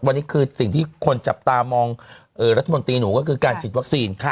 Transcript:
วันนี้คือสิ่งที่คนจับตามองรัฐมนตรีหนูก็คือการฉีดวัคซีน